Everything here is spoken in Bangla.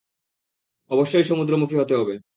অবশ্যই সমুদ্রমুখী হতে হবে।